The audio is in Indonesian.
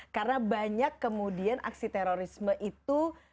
karena banyak kemudian aksi terorisme itu